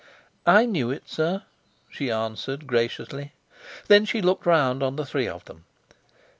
"I knew it, sir," she answered graciously. Then she looked round on the three of them.